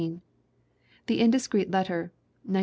The Indiscreet Letter, 1915.